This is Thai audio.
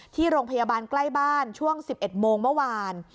ที่โรงพยาบาลใกล้บ้านช่วง๑๑โมงเมื่อวาน